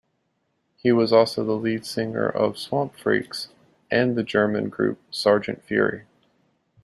He was also the lead singer of Swampfreaks and the German group Sargant Fury.